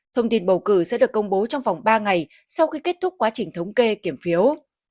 thông tin bầu cử sẽ được công bố trong vòng ba ngày sau khi kết thúc quá trình thống kê kiểm phiếu